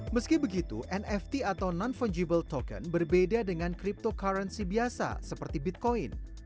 meski begitu nft atau non fungible token berbeda dengan cryptocurrency biasa seperti bitcoin